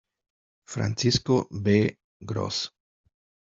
Francisco B. Gross.